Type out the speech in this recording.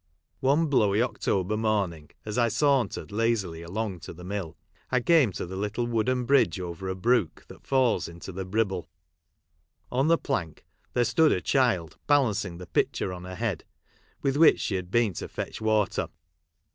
One blowy October morning, as I sauntered lazily along to the mill, I came to the little wooden bridge over a brook that falls into the Bribble. On the plank there stood a child, balancing the pitcher on her head, with which she had been to fetch water.